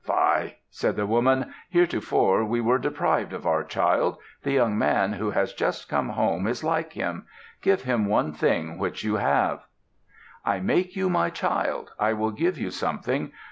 "Fie!" said the woman. "Heretofore we were deprived of our child. The young man who has just come home is like him. Give him one thing which you have." "I make you my child. I will give you something.